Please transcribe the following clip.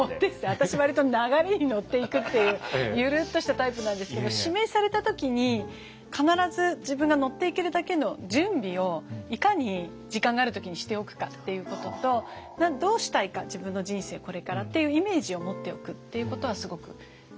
私割と流れに乗っていくっていうゆるっとしたタイプなんですけど指名された時に必ず自分が乗っていけるだけの準備をいかに時間がある時にしておくかっていうこととどうしたいか自分の人生をこれからっていうイメージを持っておくっていうことはすごく重要ですよね。